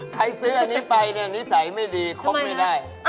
ใครซื้ออันนี้ไปนี่นิสัยไม่ดีคลมไม่ได้ทำไมนะ